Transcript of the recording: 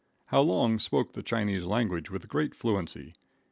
How Long spoke the Chinese language with great fluency.